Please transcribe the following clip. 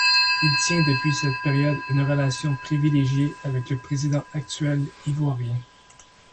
Il tient depuis cette période une relation privilégiée avec le président actuel ivoirien.